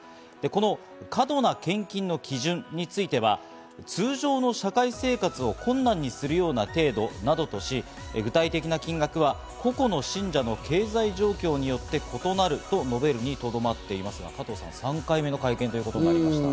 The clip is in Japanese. この過度な献金の基準については、通常の社会生活を困難にするような程度などとし、具体的な金額は個々の信者の経済状況によって異なると述べるにとどまっていますが、加藤さん、３回目の会見となりました。